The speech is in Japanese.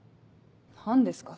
何ですか？